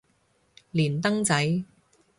連登仔